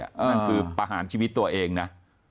นั่นคือประหารชีวิตตัวเองนะ